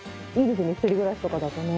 ひとり暮らしとかだとね